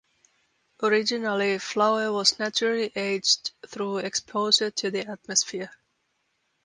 Originally flour was naturally aged through exposure to the atmosphere.